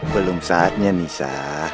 belum saatnya nisa